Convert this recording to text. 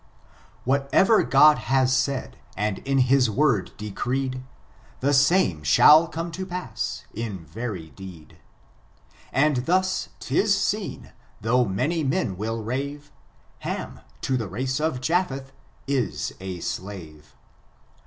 Whatever God has raid, and in his Word decreed, The same shall come to pass in yery deed : As thus 'tis seen, though many men will rare, Ham, to the race of Japheth^ ii a slave.